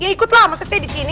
ya ikutlah masa saya disini